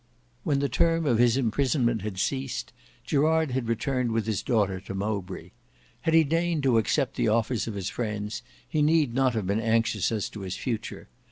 When the term of his imprisonment had ceased, Gerard had returned with his daughter to Mowbray. Had he deigned to accept the offers of his friends, he need not have been anxious as to his future.